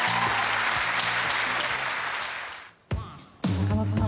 中野さん